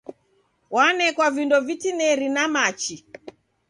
W'enekwa vindo vitineri na machi.